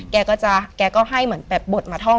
แกก็ให้เหมือนแบบบทมาท่อง